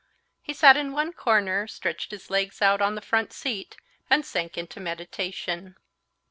He sat in one corner, stretched his legs out on the front seat, and sank into meditation.